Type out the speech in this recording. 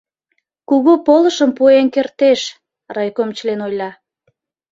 Кугу полышым пуэн кертеш, — райком член ойла.